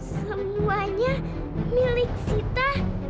semuanya milik sita